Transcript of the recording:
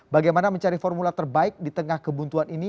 bagaimana mencari formula terbaik di tengah kebuntuan ini